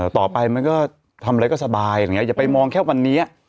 ต่อไปมันก็ทำอะไรก็สบายอย่างนี้อย่าไปมองแค่วันนี้